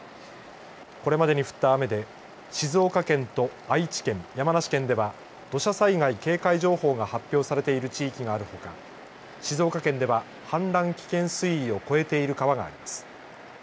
これまで降った雨で静岡県と愛知県、山梨県では土砂災害警戒情報が発表されている地域があるほか静岡県では氾濫危険水位を超えている川があります。